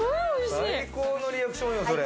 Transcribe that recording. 最高のリアクションよ、それ。